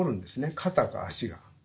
肩か足が。